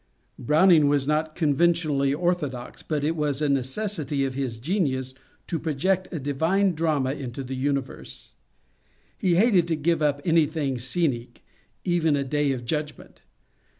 Browning was not conventionally orthodox, but it was a necessity of his genius to project a divine drama into the universe. He hated to give up anything scenic, even a day of judgment.